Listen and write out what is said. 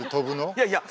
いやいや！